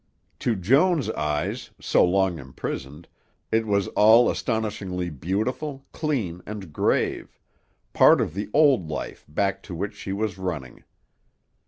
To Joan's eyes, so long imprisoned, it was all astonishingly beautiful, clean and grave, part of the old life back to which she was running.